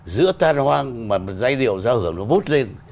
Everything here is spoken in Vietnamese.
giữa tan hoang mà giai điệu giao hưởng nó vút lên